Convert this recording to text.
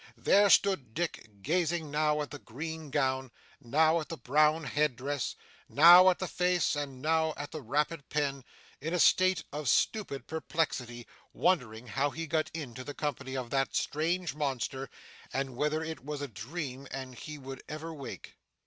There stood Dick, gazing now at the green gown, now at the brown head dress, now at the face, and now at the rapid pen, in a state of stupid perplexity, wondering how he got into the company of that strange monster, and whether it was a dream and he would ever wake.